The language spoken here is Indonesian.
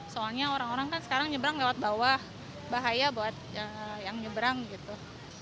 soalnya orang orang kan sekarang nyebrang lewat bawah bahaya buat yang nyebrang gitu